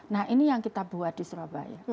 nah ini yang kita buat di surabaya